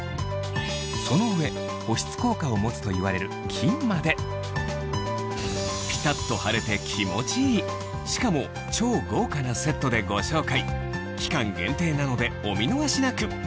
その上保湿効果を持つといわれる金までピタっと貼れて気持ちいいしかも超豪華なセットでご紹介期間限定なのでお見逃し